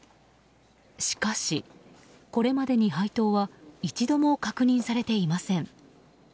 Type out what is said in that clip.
しかし、これまでに配当は一度も確認されていません。